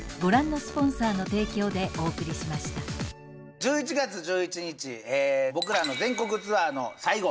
１１月１１日僕らの全国ツアーの最後